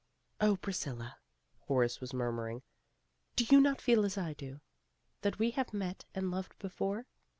"Oh, Priscilla," Horace was murmuring, '* Do you not feel as I do, that we have met and loved before?